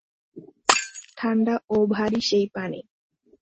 ঠাণ্ডা ও ভারি সেই পানি।